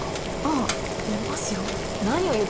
あやりますよ。